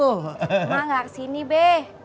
emak ga kesini be